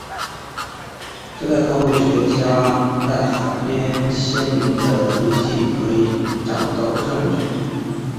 这在考古学家在海边先民的遗迹可以找到证据。